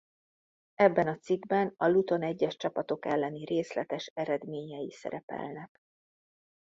Ebben a cikkben a Luton egyes csapatok ellen részletes eredményei szerepelnek.